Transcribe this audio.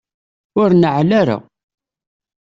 Ur neɛɛel ara.